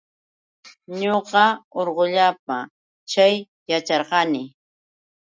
Ñuqa urqullapa chay yacharqani.